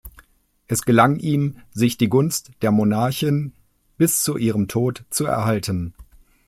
Es gelang ihm, sich die Gunst der Monarchin bis zu ihrem Tod zu erhalten.